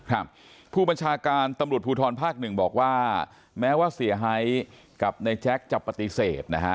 ครับผู้บัญชาการตำรวจภูทรภาคหนึ่งบอกว่าแม้ว่าเสียหายกับนายแจ็คจะปฏิเสธนะฮะ